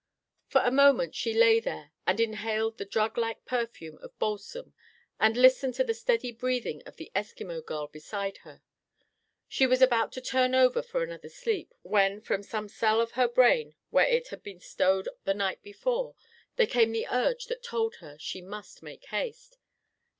For a moment she lay there and inhaled the drug like perfume of balsam and listened to the steady breathing of the Eskimo girl beside her. She was about to turn over for another sleep, when, from some cell of her brain where it had been stowed the night before, there came the urge that told her she must make haste.